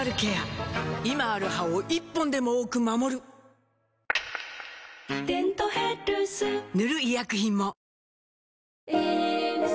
今ある歯を１本でも多く守る「デントヘルス」塗る医薬品も